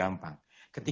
ah mas jovi